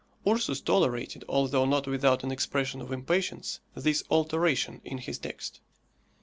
Ursus tolerated, although not without an expression of impatience, this alteration in his text.